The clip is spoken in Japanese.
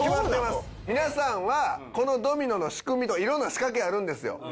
皆さんはこのドミノの仕組みと色んな仕掛けあるんですよ。